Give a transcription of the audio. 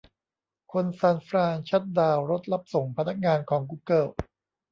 คนซานฟรานชัตดาวน์รถรับส่งพนักงานของกูเกิล